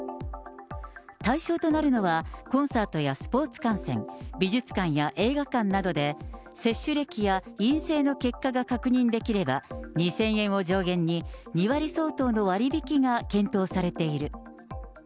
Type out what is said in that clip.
対象となるのは、コンサートやスポーツ観戦、美術館や映画館などで、接種歴や陰性の結果が確認できれば、２０００円を上限に２割相当の割引が検討されている。